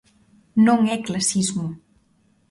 Non é clasismo.